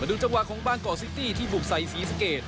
มาดูจังหวะของบางเกาะซิตี้ที่บุกใสสีสเกจ